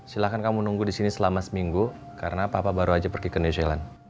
silahkan kamu nunggu di sini selama seminggu karena papa baru aja pergi ke new zealand